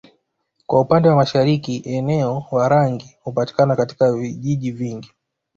Kwa upande wa mashariki eneo Warangi hupatika katika vijiji vingi